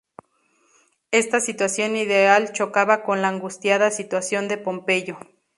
Esta situación ideal chocaba con la angustiada situación de Pompeyo.